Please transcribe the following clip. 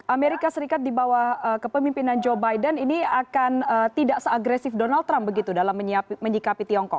amerika serikat di bawah kepemimpinan joe biden ini akan tidak seagresif donald trump begitu dalam menyikapi tiongkok